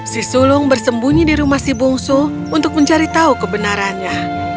si sulung bersembunyi di rumah si bungsu untuk mencari tahu kebenarannya